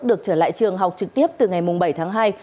được trở lại trường học trực tiếp từ ngày bảy tháng hai